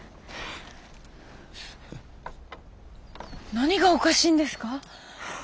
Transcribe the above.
何がおかしいんですか？